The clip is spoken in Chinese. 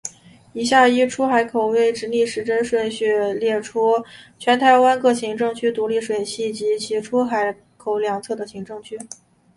以下依出海口位置逆时针顺序列出全台湾各行政区独立水系及其出海口两侧行政区。